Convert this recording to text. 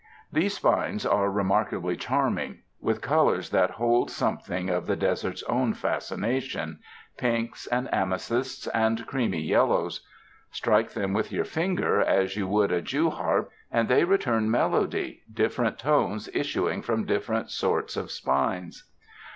These spines are remarkably charming, with colors that hold something of the desert's own fascination — pinks and amethysts and creamy yellows. Strike them with your finger as 47 UNDER THE SKY IN CALIFORNIA you would a jew's harp, and they return melody, different tones issuing from different sorts of spines.